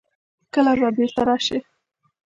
کله به بېرته راسي.